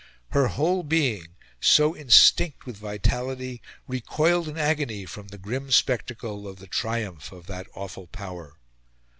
Her whole being, so instinct with vitality, recoiled in agony from the grim spectacle of the triumph of that awful power.